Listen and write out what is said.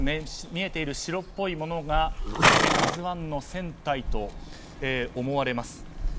見えている白っぽいものが「ＫＡＺＵ１」の船体と思われます。